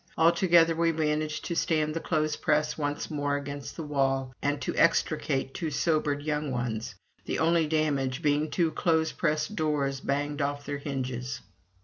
All together, we managed to stand the clothes press once more against the wall, and to extricate two sobered young ones, the only damage being two clothes press doors banged off their hinges.